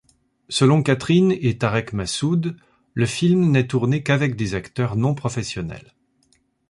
Selon Catherine et Tareque Masud, le film n'est tourné qu'avec des acteurs non professionnels.